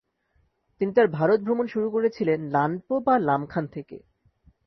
তিনি তার ভারত ভ্রমণ শুরু করেছিলেন লানপো বা লামখান থেকে।